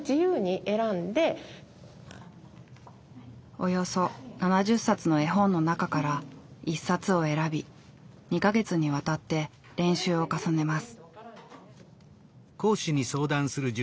およそ７０冊の絵本の中から１冊を選び２か月にわたって練習を重ねます。